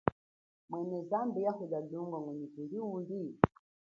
Mwene zambi yahula lunga ngwenyi kuli uli?